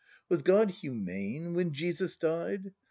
Was God "humane" when Jesus died?